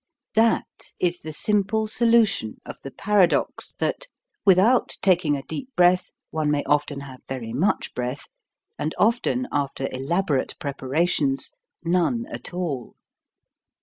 That is the simple solution of the paradox that without taking a deep breath one may often have very much breath and often after elaborate preparations none at all.